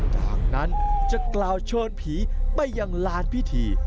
จากนั้นจะกล่าวเชิญผีไปยังลานพิธี